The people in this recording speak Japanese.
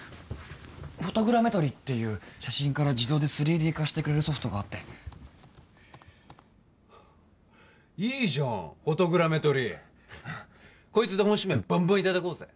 フォトグラメトリっていう写真から自動で３Ｄ化してくれるソフトがあっていいじゃんフォトグラメトリうんこいつで本指名バンバンいただこうぜ！